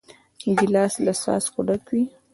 ګیلاس له څاڅکو ډک وي.